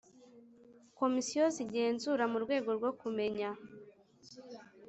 Komisiyo z igenzura mu rwego rwo kumenya